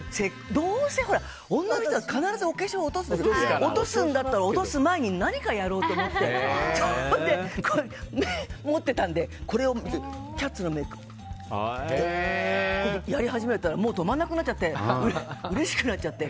どうせ女の人は必ず化粧を落とすんだったら落とす前に何かやろうと思ってそれで持ってたので、見ながら「キャッツ」のメイクをやり始めたらもう止まらなくなっちゃってうれしくなっちゃて。